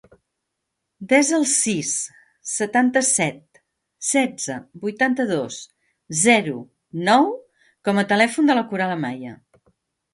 Desa el sis, setanta-set, setze, vuitanta-dos, zero, nou com a telèfon de la Coral Amaya.